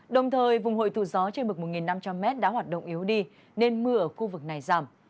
đồng thời vùng hội thủ gió trên mực một năm trăm linh m đã hoạt động yếu đi nên mưa ở khu vực này giảm